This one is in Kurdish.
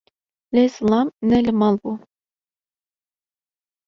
Lê zilam ne li mal bû